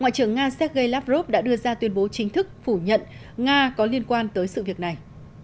ngoại trưởng nga sergei lavrov đã đưa ra tuyên bố chính thức phủ nhận nga có liên quan tới sự việc này